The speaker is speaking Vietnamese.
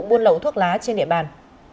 buôn lậu thuốc lá trên địa bàn